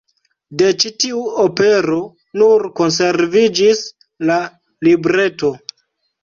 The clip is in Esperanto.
De ĉi tiu opero nur konserviĝis la libreto.